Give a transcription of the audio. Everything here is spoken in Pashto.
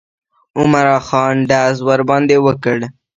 عمرا خان ډز ورباندې وکړ.